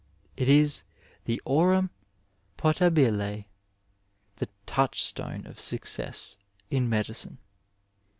It is the aurum potabHey the touch stone of success in medicine.